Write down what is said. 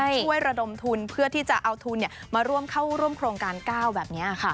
ช่วยระดมทุนเพื่อที่จะเอาทุนมาร่วมเข้าร่วมโครงการ๙แบบนี้ค่ะ